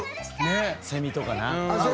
セミとかな。